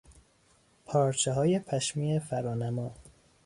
پارچههای پشمی فرانما